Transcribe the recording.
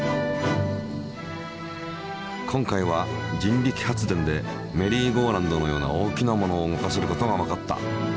今回は人力発電でメリーゴーラウンドのような大きなものを動かせることがわかった。